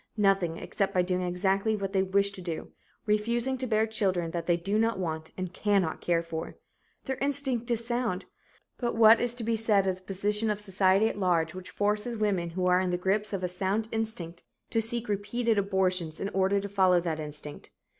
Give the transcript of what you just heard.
Nothing, except by doing exactly what they wish to do refusing to bear children that they do not want and cannot care for. Their instinct is sound but what is to be said of the position of society at large, which forces women who are in the grip of a sound instinct to seek repeated abortions in order to follow that instinct?